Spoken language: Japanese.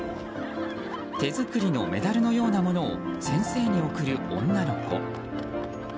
手作りのメダルのようなものを先生に贈る女の子。